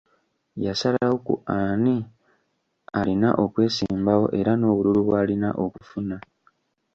Yasalawo ku ani alina okwesimbawo era n’obululu bw’alina okufuna.